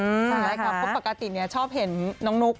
ใช่ค่ะเพราะปกติชอบเห็นน้องนุ๊ก